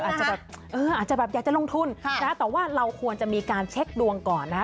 อาจจะแบบอาจจะแบบอยากจะลงทุนนะแต่ว่าเราควรจะมีการเช็คดวงก่อนนะ